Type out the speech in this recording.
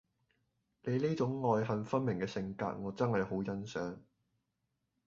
你呢種愛恨分明嘅性格我真係好欣賞